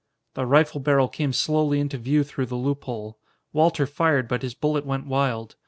The rifle barrel came slowly into view through the loophole. Walter fired, but his bullet went wild.